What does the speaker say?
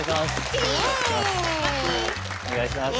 お願いします。